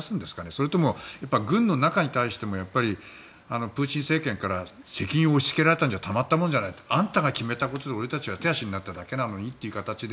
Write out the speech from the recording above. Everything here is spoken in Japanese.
それとも軍の中に対してもプーチン政権から責任を押し付けられたんじゃたまったもんじゃないあんたが決めたことで俺たちは手足になったのにと。